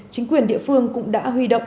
chính quyền địa phương cũng đã huy động